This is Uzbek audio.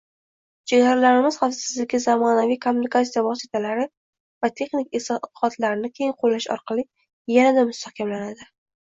Chegaralarimiz xavfsizligi zamonaviy kommunikatsiya vositalari va texnik inshootlarni keng qo‘llash orqali yanada mustahkamlanadi.